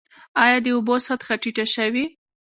آیا د اوبو سطحه ټیټه شوې؟